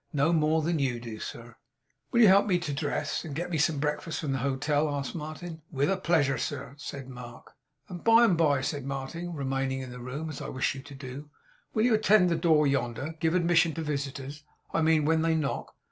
No more than you do, sir.' 'Will you help me to dress, and get me some breakfast from the hotel?' asked Martin. 'With pleasure, sir,' said Mark. 'And by and bye,' said Martin, 'remaining in the room, as I wish you to do, will you attend to the door yonder give admission to visitors, I mean, when they knock?